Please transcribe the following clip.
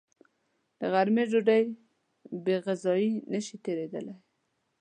د غرمې ډوډۍ بېغذايي نشي تېرېدلی